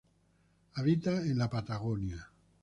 Habita en la Patagonia.